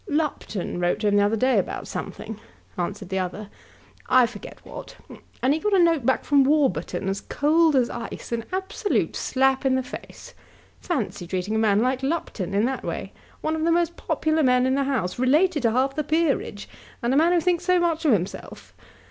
"Lupton wrote to him the other day about something," answered the other, "I forget what, and he got a note back from Warburton as cold as ice, an absolute slap in the face. Fancy treating a man like Lupton in that way, one of the most popular men in the House, related to half the peerage, and a man who thinks so much of himself!